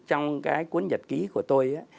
trong cái cuốn nhật ký của tôi